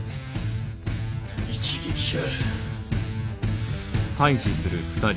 一撃じゃ。